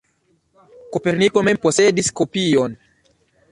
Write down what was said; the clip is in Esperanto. Koperniko mem posedis kopion.